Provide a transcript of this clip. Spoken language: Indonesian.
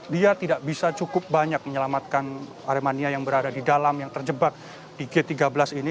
dia tidak bisa cukup banyak menyelamatkan aremania yang berada di dalam yang terjebak di g tiga belas ini